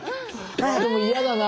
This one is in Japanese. でも嫌だな。